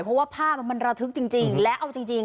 เพราะว่าภาพมันมันระทึกจริงจริงและเอาจริงจริง